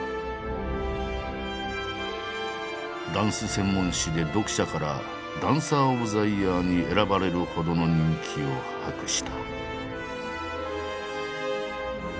ダンス専門誌で読者から「ダンサー・オブ・ザ・イヤー」に選ばれるほどの人気を博した。